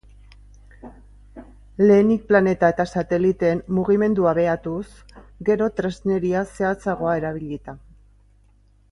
Lehenik planeta eta sateliteen mugimendua behatuz, gero tresneria zehatzagoa erabilita.